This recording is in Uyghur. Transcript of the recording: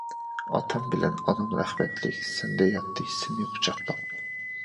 ئاتام بىلەن ئانام رەھمەتلىك، سەندە ياتتى، سېنى قۇچاقلاپ.